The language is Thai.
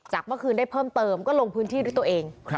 เมื่อคืนได้เพิ่มเติมก็ลงพื้นที่ด้วยตัวเอง